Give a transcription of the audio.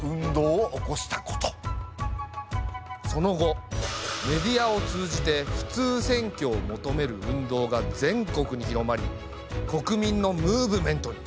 その後メディアを通じて「普通選挙」を求める運動が全国に広まり国民のムーブメントに。